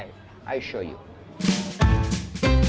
saya akan menunjukkan